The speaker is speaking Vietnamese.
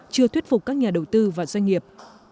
chưa thuyết phục các nhà đầu tư và doanh nghiệp